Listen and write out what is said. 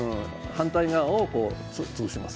反対側を潰します。